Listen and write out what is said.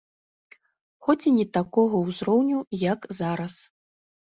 Хоць і не такога ўзроўню, як зараз.